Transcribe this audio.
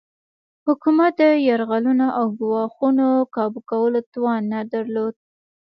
حکومت د یرغلونو او ګواښونو کابو کولو توان نه درلود.